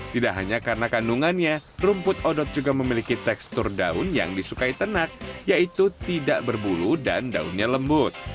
tidak hanya karena kandungannya rumput odot juga memiliki tekstur daun yang disukai ternak yaitu tidak berbulu dan daunnya lembut